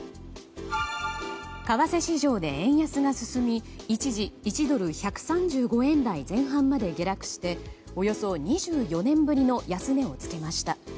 為替市場で円安が進み一時１ドル＝１３５円台前半まで下落して、およそ２４年ぶりの安値を付けました。